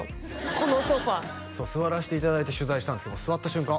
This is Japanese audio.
このソファーそう座らせていただいて取材したんですけど座った瞬間